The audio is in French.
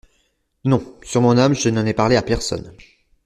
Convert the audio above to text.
Non, sur mon âme, je n’en ai parlé à personne…